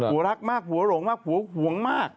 รักมากหัวหลงมากผัวห่วงมาก